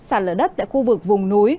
sạt lở đất tại khu vực vùng núi